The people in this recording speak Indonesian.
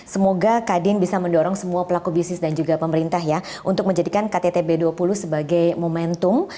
semoga kadin bisa mendorong semua pelaku bisnis dan juga pemerintah ya untuk menjadikan ktt b dua puluh sebagai momentum